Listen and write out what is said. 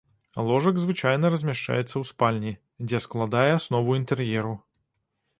Ложак звычайна размяшчаецца ў спальні, дзе складае аснову інтэр'еру.